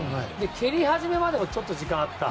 蹴り始めまでもちょっと時間があった。